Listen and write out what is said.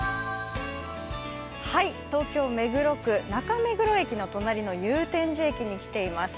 東京・目黒区、中目黒駅の隣の祐天寺駅に来ています。